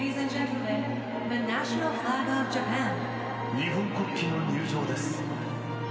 日本国旗の入場です。